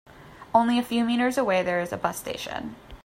Only a few meters away there is a bus station.